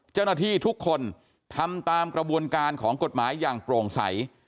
เจ้าหน้าที่ทุกคนทำตามกระบวนการของกฎหมายอย่างโปร่งใส